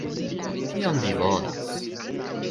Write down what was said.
Kion vi volas?